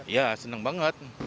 ya senang banget